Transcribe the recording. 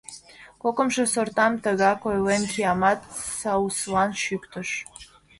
Кокымшо сортам, тыгак ойлен, киямат сауслан чӱктыш.